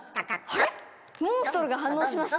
あれっモンストロが反応しました。